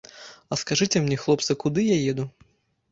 А скажыце мне, хлопцы, куды я еду?